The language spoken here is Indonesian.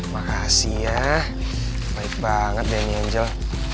makasih ya baik banget deh nih angel